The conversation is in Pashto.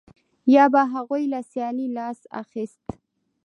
یا به هغوی له سیالۍ لاس اخیست